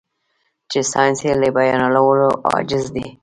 چې ساينس يې له بيانولو عاجز دی.